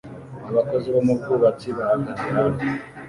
Abakozi bo mu bwubatsi bahagaze hafi